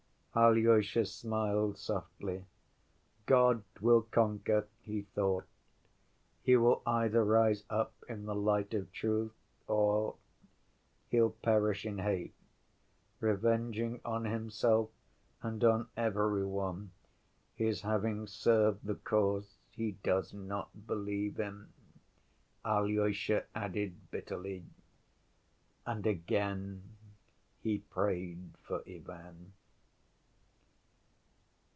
Alyosha smiled softly. "God will conquer!" he thought. "He will either rise up in the light of truth, or ... he'll perish in hate, revenging on himself and on every one his having served the cause he does not believe in," Alyosha added bitterly, and again he prayed for Ivan.